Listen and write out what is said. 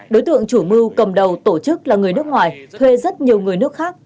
đối tượng chủ mưu cầm đầu tổ chức là người nước ngoài thuê rất nhiều người nước khác